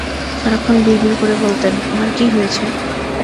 সারাক্ষণ বিড়বিড় করে বলতেন, আমার কী হয়েছে?